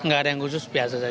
gak ada yang khusus biasa